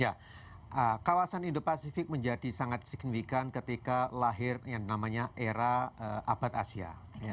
ya kawasan indo pasifik menjadi sangat signifikan ketika lahir yang namanya era abad asia